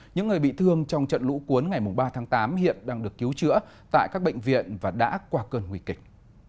những người bị thương trong trận lũ cuốn ngày ba tháng tám hiện đang được cứu chữa tại các bệnh viện và đã qua cơn nguy kịch